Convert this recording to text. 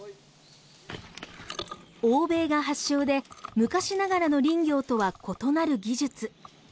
欧米が発祥で昔ながらの林業とは異なる技術。